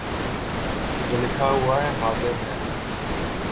جو لکھا ہوا ہے حاضر ہے